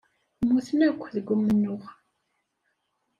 Mmuten akk deg umennuɣ.